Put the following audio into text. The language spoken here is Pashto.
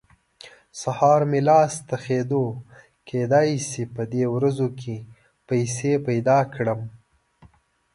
سهار مې لاس تخېدو؛ کېدای شي په دې ورځو کې پيسې پیدا کړم.